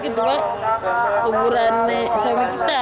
kedua umuran suami kita